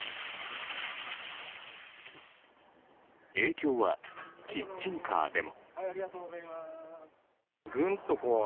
影響は、キッチンカーでも。